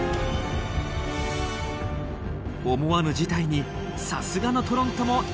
思わぬ事態にさすがのトロントも逃げ出しました。